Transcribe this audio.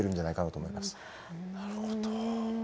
なるほど。